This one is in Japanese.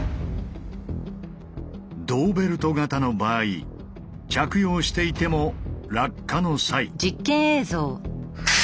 胴ベルト型の場合着用していても落下の際。